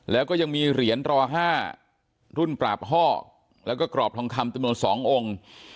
แล้วก็ยังมีเหรียญรอ๕รุ่นปราบห้อแล้วก็กรอบทองคำจำนวน๒องค์